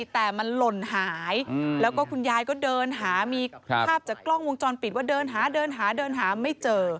แต่มันหล่นหายแล้วก็คุณยายก็เดินหามีภาพจากกล้องวงจรปิดว่าเดินหาเดินหาเดินหาไม่เจอ